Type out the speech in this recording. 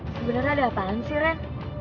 sebenarnya ada apaan sih ren